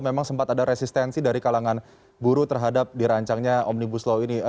memang sempat ada resistensi dari kalangan buruh terhadap dirancangnya omnibus law ini